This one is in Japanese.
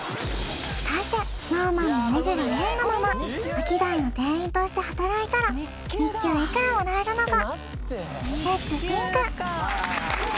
果たしてＳｎｏｗＭａｎの目黒蓮のままアキダイの店員として働いたら日給いくらもらえるのか？